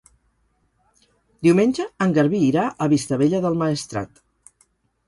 Diumenge en Garbí irà a Vistabella del Maestrat.